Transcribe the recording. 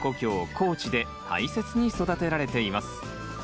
高知で大切に育てられています。